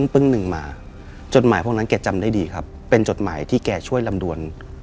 ปึ้งหนึ่งมาจดหมายพวกนั้นแกจำได้ดีครับเป็นจดหมายที่แกช่วยลำดวน